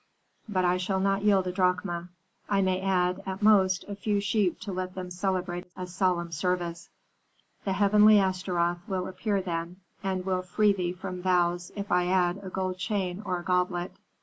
But I shall not yield a drachma; I may add, at most, a few sheep to let them celebrate a solemn service. The heavenly Astaroth will appear then, and will free thee from vows if I add a gold chain or a goblet."